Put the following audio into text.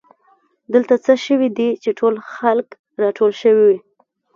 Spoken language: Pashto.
دلته څه شوي دي چې ټول خلک راټول شوي